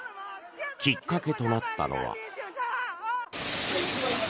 きっかけとなったのは。